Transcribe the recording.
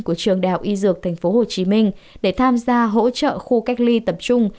của trường đạo y dược tp hcm để tham gia hỗ trợ khu cách ly tập trung